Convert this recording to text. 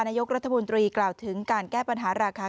นายกรัฐมนตรีกล่าวถึงการแก้ปัญหาราคา